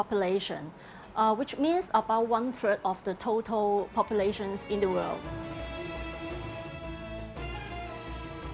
yang berarti sekitar satu ketiga dari populasi total di dunia